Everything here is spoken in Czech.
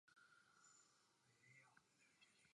Tím vzniká iluze vody proudící nahoru.